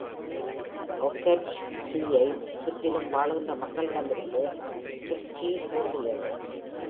Okhotsk Sea-ஐ சுற்றிலும் வாழுகின்ற மக்களிடம் இருந்து Chukchi தோன்றியது.